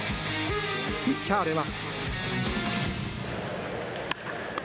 ピッチャーでは。